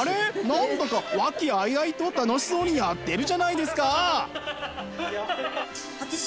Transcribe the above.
何だか和気あいあいと楽しそうにやってるじゃないですか！